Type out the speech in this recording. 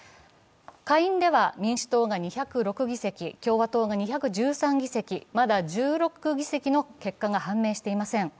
下院では民主党が２０６議席、共和党が２１３議席、まだ１６議席の結果が判明していません。